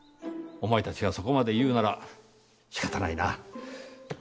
お前たちがそこまで言うなら仕方ないな。